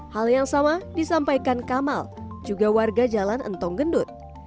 hal yang sama disampaikan kamal juga warga jalan entong gendut